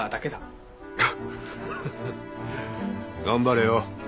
頑張れよ。